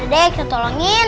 yaudah deh kita tolongin